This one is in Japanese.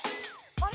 あれ？